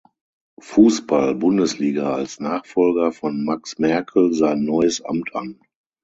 Fußball-Bundesliga als Nachfolger von Max Merkel sein neues Amt an.